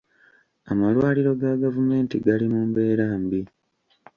Amalwaliro ga gavumenti gali mu mbeera mbi.